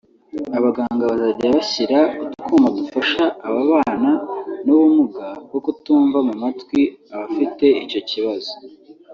abaganga bazajya bashyira utwuma dufasha ababana n’ubumuga bwo kutumva mu matwi abafite icyo kibazo